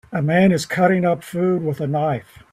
A man is cutting up food with a knife